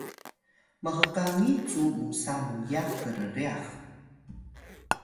mhkangi cu musa muyax krryax